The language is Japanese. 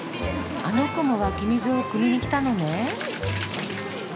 あの子も湧き水をくみに来たのね。